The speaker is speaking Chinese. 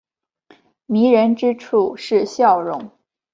迷人之处是笑容。